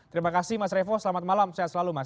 terima kasih mas revo selamat malam sehat selalu mas